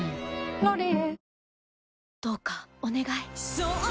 「ロリエ」